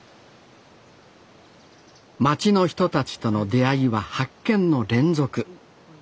町の人たちとの出会いは発見の連続。